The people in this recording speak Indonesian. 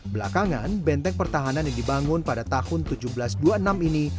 belakangan benteng pertahanan yang dibangun pada tahun seribu tujuh ratus dua puluh enam ini